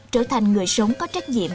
trở thành người sống có trách nhiệm